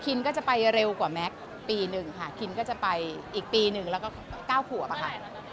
คินก็จะไปเร็วกว่าแม็กซ์ปี๑ค่ะคินก็จะไปอีกปีนึงแล้วก็๙ขวบค่ะ